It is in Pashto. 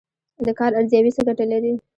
د کار ارزیابي څه ګټه لري؟